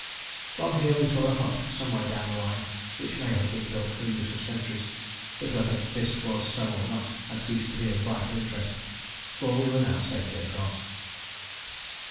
From here we saw a hut some way down the line, which may have been built for the use of sentries; but whether this was so or not had ceased to be of vital interest, for we were now safely across.